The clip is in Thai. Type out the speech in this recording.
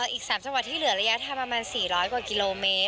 อีก๓จังหวัดที่เหลือระยะทางประมาณ๔๐๐กว่ากิโลเมตร